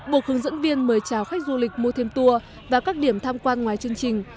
buộc hướng dẫn viên mời chào khách du lịch mua thêm tour và các điểm tham quan ngoài chương trình